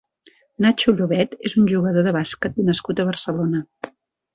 Nacho Llovet és un jugador de bàsquet nascut a Barcelona.